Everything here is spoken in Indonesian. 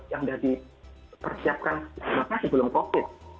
yang sudah dipersiapkan maka sebelum covid